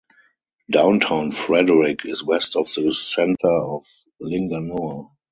Downtown Frederick is west of the center of Linganore.